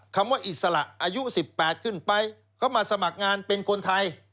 คำว่าอิสระอายุ๑๘ขึ้นไปเขามาสมัครงานเป็นคนไทย